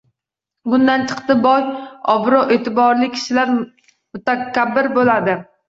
Bundan chiqdi, boylar, obro‘-e’tiborli kishilar mutakabbir bo‘ladi.